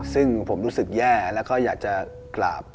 ซึ่งผมรู้สึกแย่แล้วก็อยากจะกราบ